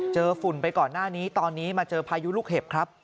ฝุ่นไปก่อนหน้านี้ตอนนี้มาเจอพายุลูกเห็บครับ